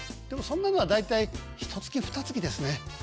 でもそんなのは大体ひとつきふたつきですね。